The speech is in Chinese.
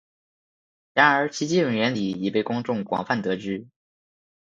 然而其基本原理已被公众广泛得知。